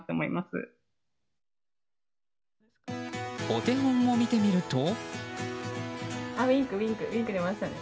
お手本を見てみると。